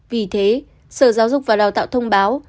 vì thế sở giáo dục và đào tạo thông báo